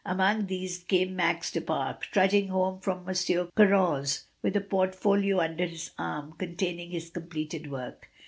Among these came Max du Pare, trudging home from M. Caron's with a portfolio under his arm containing his com pleted work.